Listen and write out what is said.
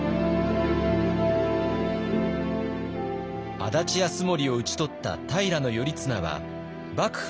安達泰盛を討ち取った平頼綱は幕府の中枢に君臨。